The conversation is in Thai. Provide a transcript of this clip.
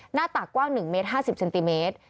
หน้าตากกว้าง๑เมตร๕๐เซนติเมตร